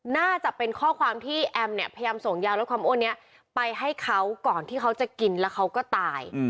น่าจะเป็นข้อความที่แอมเนี่ยพยายามส่งยาลดความอ้วนนี้ไปให้เขาก่อนที่เขาจะกินแล้วเขาก็ตาย